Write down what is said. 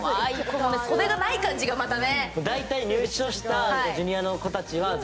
袖がない感じがまたね。